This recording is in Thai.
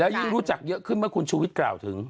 ยิ่งรู้จักเยอะขึ้นเมื่อคุณชูวิทย์กล่าวถึง